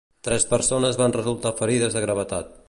Tres persones van resultar ferides de gravetat.